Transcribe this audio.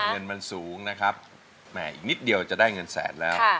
เงินมันสูงนะครับแหมอีกนิดเดียวจะได้เงินแสนแล้ว